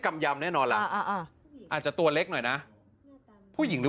กำยำแน่นอนล่ะอาจจะตัวเล็กหน่อยนะผู้หญิงหรือ